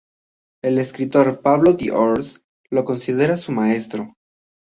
El escritor Pablo d'Ors lo considera su maestro.